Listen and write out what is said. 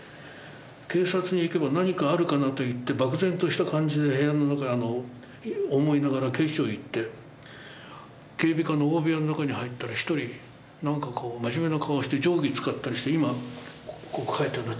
警察に行けば何かあるかなといって漠然とした感じで部屋の中へ思いながら警視庁行って警備課の大部屋の中に入ったら一人なんか真面目な顔して定規使ったりして地図描いてるんですね。